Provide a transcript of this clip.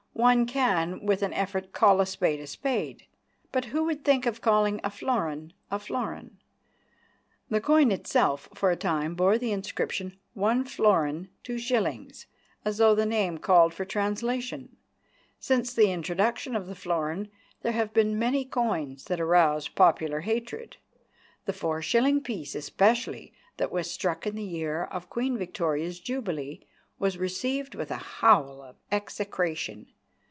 One can with an effort call a spade a spade, but who would think of calling a florin a florin? The coin itself for a time bore the inscription: "One Florin, Two Shillings," as though the name called for translation. Since the introduction of the florin, there have been many coins that aroused popular hatred. The four shilling piece, especially, that was struck in the year of Queen Victoria's Jubilee, was received with a howl of execration.